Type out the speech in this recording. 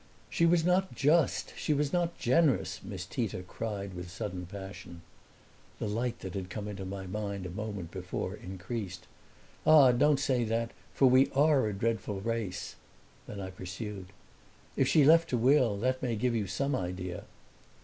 "She was not just, she was not generous!" Miss Tita cried with sudden passion. The light that had come into my mind a moment before increased. "Ah, don't say that, for we ARE a dreadful race." Then I pursued, "If she left a will, that may give you some idea."